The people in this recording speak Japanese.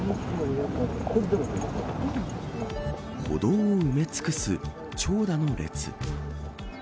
歩道を埋め尽くす長蛇の列。